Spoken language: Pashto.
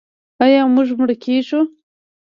آیا موږ مړه کیږو؟